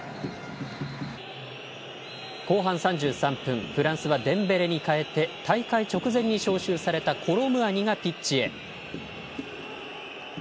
後半３３分フランスはデンベレに代えて大会直前に招集されたコロムアニがピッチへ。